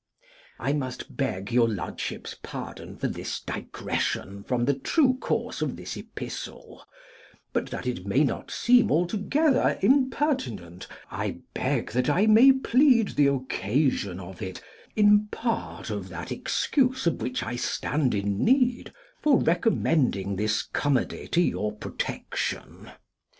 I must beg your lordship's pardon for this digression from the true course of this epistle; but that it may not seem altogether impertinent, I beg that I may plead the occasion of it, in part of that excuse of which I stand in need, for recommending this comedy to your protection.